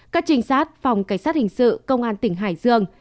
các trinh sát phòng cảnh sát hình sự công an tỉnh hải dương